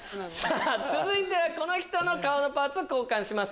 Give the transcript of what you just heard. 続いてはこの人の顔のパーツを交換します。